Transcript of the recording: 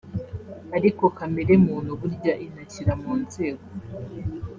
ariko kamere muntu burya inashyira mu nzego